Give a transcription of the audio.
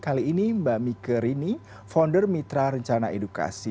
kali ini mbak mika rini founder mitra rencana edukasi